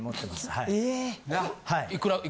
はい。